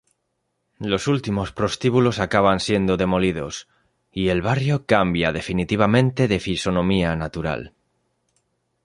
Los últimos prostíbulos acaban siendo demolidos y el Barrio cambia definitivamente de fisonomía natural.